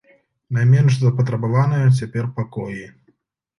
Найменш запатрабаваныя цяпер пакоі.